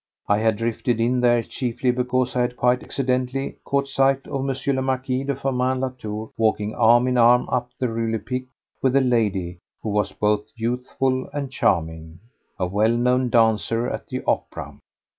I had drifted in there chiefly because I had quite accidentally caught sight of M. le Marquis de Firmin Latour walking arm in arm up the Rue Lepic with a lady who was both youthful and charming—a well known dancer at the opera.